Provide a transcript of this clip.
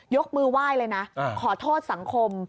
ยกมือไหว้เลยนะขอโทษสังคม